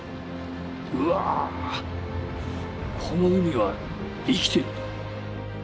うわあ、この海は生きてると。